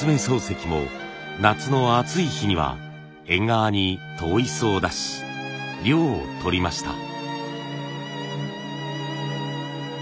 漱石も夏の暑い日には縁側に籐椅子を出し涼をとりました。